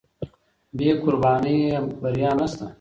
بې قربانۍ بریا نشته.